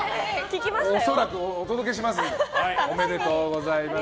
恐らくお届けします。